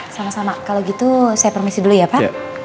sama sama kalau gitu saya permisi dulu ya pak